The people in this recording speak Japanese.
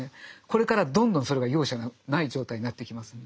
これからどんどんそれが容赦ない状態になっていきます。